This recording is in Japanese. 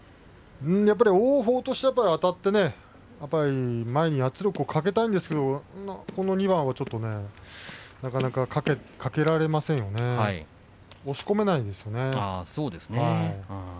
王鵬としては、あたって前に圧力をかけたいんですが今場所の２番はまだ圧力をかけられませんね押し込めないんですね。